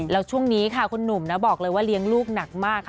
แล้วช่วงนี้ค่ะคุณหนุ่มนะบอกเลยว่าเลี้ยงลูกหนักมาก